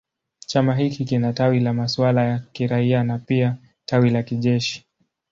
Chama hiki kina tawi la masuala ya kiraia na pia tawi la kijeshi.